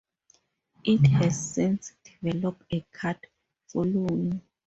It has since developed a cult following.